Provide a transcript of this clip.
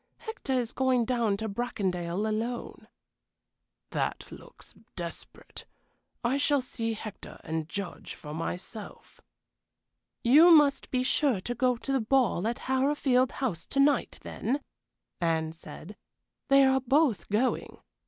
Hector is going down to Bracondale alone." "That looks desperate. I shall see Hector, and judge for myself." "You must be sure to go to the ball at Harrowfield House to night, then," Anne said. "They are both going.